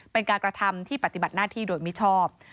เป็นการกระทำที่ปฏิบัติหน้าที่โดยมิชอบ